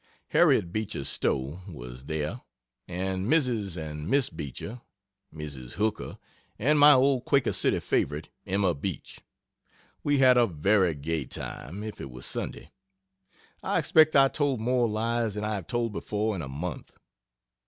Harriet Beecher Stowe was there, and Mrs. and Miss Beecher, Mrs. Hooker and my old Quaker City favorite, Emma Beach. We had a very gay time, if it was Sunday. I expect I told more lies than I have told before in a month.